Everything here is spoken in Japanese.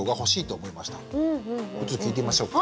これちょっと聞いてみましょうか。